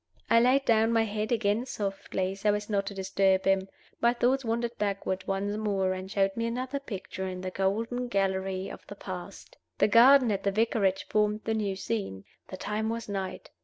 I laid down my head again softly, so as not to disturb him. My thoughts wandered backward once more, and showed me another picture in the golden gallery of the past. The garden at the Vicarage formed the new scene. The time was night.